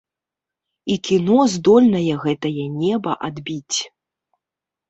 І кіно здольнае гэтае неба адбіць.